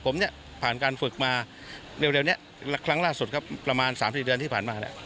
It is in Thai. ผมเนี่ยผ่านการฝึกมาเร็วนี้ครั้งล่าสุดครับประมาณ๓๔เดือนที่ผ่านมาเนี่ย